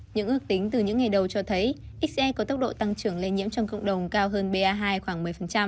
những ước tính từ những ngày đầu cho thấy xce có tốc độ tăng trưởng lây nhiễm trong cộng đồng cao hơn ba hai khoảng một mươi